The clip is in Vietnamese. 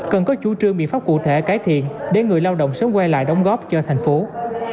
cần có chủ trương biện pháp cụ thể cải thiện để người lao động sớm quay lại đồng góp cho tp hcm